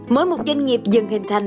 mỗi một doanh nghiệp dần hình thành